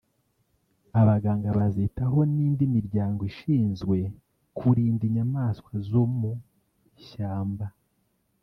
abaganga bazitaho n’indi miryango ishinzwe kurinda inyamaswa zo mu ishyamba